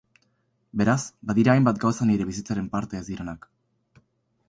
Beraz, badira hainbat gauza nire bizitzaren parte ez direnak.